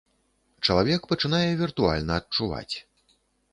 Чалавек пачынае віртуальна адчуваць.